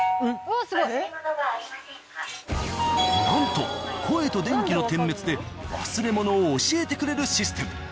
なんと声と電気の点滅で忘れ物を教えてくれるシステム。